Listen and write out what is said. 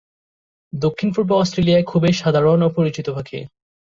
দক্ষিণ পূর্ব অস্ট্রেলিয়ায় খুবই সাধারণ ও পরিচিত পাখি।